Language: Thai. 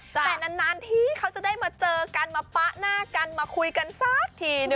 แต่นานที่เขาจะได้มาเจอกันมาปะหน้ากันมาคุยกันสักทีนึง